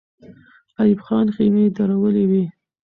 ایوب خان خېمې درولې وې.